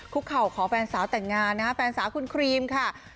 เข่าขอแฟนสาวแต่งงานนะฮะแฟนสาวคุณครีมค่ะ